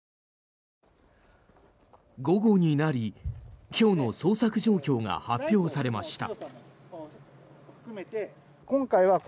午後になり、今日の捜索状況が発表されました。